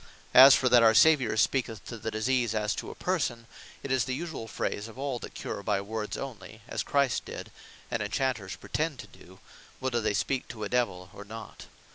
As for that our Saviour speaketh to the disease, as to a person; it is the usuall phrase of all that cure by words onely, as Christ did, (and Inchanters pretend to do, whether they speak to a Divel or not.)